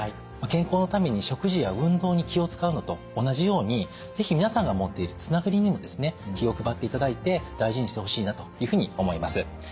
健康のために食事や運動に気を遣うのと同じように是非皆さんが持っているつながりにもですね気を配っていただいて大事にしてほしいなというふうに思います。